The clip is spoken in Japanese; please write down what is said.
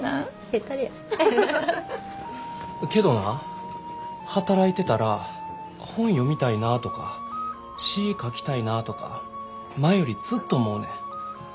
けどな働いてたら本読みたいなとか詩ぃ書きたいなぁとか前よりずっと思うねん。